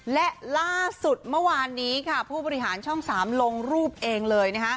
และล่าสุดเมื่อวานนี้ค่ะผู้บริหารช่อง๓ลงรูปเองเลย